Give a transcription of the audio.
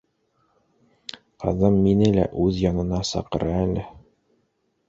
Ҡыҙым мине лә үҙ янына саҡыра әле!